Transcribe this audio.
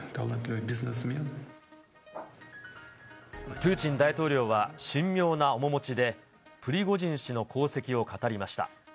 プーチン大統領は神妙な面持ちでプリゴジン氏の功績を語りました。